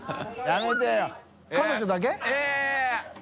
やめてよ。